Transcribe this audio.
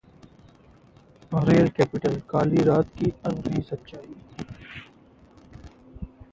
rape capital: काली रात की अनकही सच्चाई...